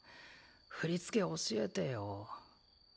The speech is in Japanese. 振り付け教えてよ。